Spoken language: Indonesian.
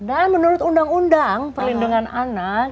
menurut undang undang perlindungan anak